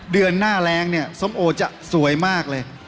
เดือนหน้าแรงเนี่ยส้มโอจะสวยมากเลย